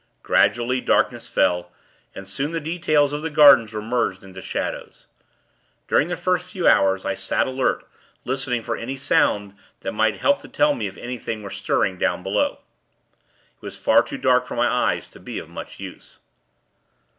Gradually, darkness fell, and soon the details of the gardens were merged into shadows. During the first few hours, I sat, alert, listening for any sound that might help to tell me if anything were stirring down below. It was far too dark for my eyes to be of much use.